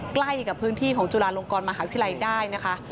ใกล้กับพื้นที่ของจุฬาลงกรมหาวิทยาลัยได้นะคะ